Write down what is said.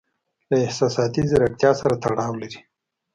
له احساساتي زیرکتیا سره تړاو لري.